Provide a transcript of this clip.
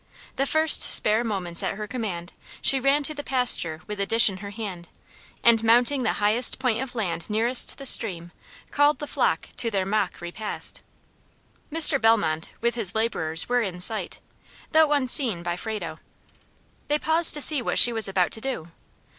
The first spare moments at her command, she ran to the pasture with a dish in her hand, and mounting the highest point of land nearest the stream, called the flock to their mock repast. Mr. Bellmont, with his laborers, were in sight, though unseen by Frado. They paused to see what she was about to do.